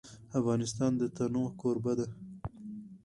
افغانستان د تنوع کوربه دی.